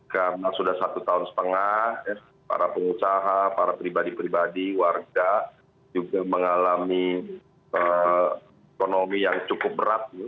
karena sudah satu tahun setengah para pengucaha para pribadi pribadi warga juga mengalami ekonomi yang cukup berat